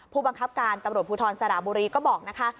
ผู้บังคับการตำรวจภูทรสระบุรีก็บอกนะคะ